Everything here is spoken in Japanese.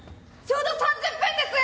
ちょうど３０分です！